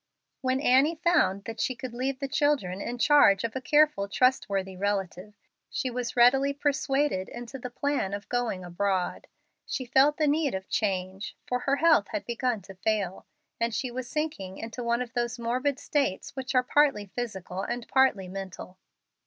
When Annie found that she could leave the children in charge of a careful, trustworthy relative, she was readily persuaded into the plan of going abroad. She felt the need of change, for her health had begun to fail, and she was sinking into one of those morbid states which are partly physical and partly mental.